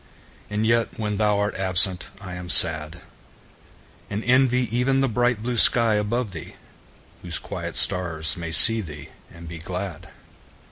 And yet when thou art absent I am sad; And envy even the bright blue sky above thee, Whose quiet stars may see thee and be glad.